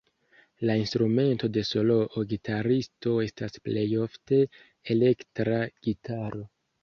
La instrumento de soloo-gitaristo estas plejofte elektra gitaro.